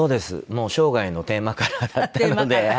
もう生涯のテーマカラーだったので。